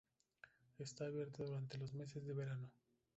Está abierta durante los meses de verano.